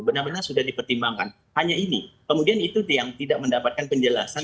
benar benar sudah dipertimbangkan hanya ini kemudian itu yang tidak mendapatkan penjelasan